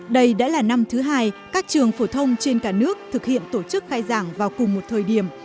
đây đã là năm thứ hai các trường phổ thông trên cả nước thực hiện tổ chức khai giảng vào cùng một thời điểm